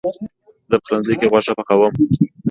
زه پخلنځي کې غوښه پخوم.